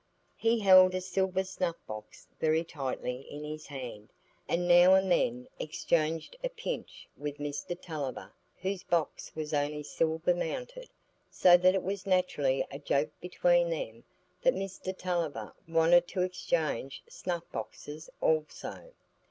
He held a silver snuff box very tightly in his hand, and now and then exchanged a pinch with Mr Tulliver, whose box was only silver mounted, so that it was naturally a joke between them that Mr Tulliver wanted to exchange snuff boxes also.